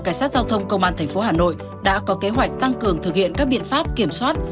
cảnh sát giao thông công an tp hà nội đã có kế hoạch tăng cường thực hiện các biện pháp kiểm soát